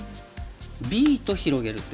Ｂと広げる手。